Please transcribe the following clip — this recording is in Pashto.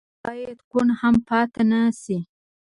هغه بايد کوڼ هم پاتې نه شي.